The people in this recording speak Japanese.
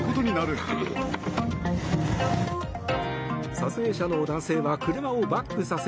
撮影者の男性は車をバックさせ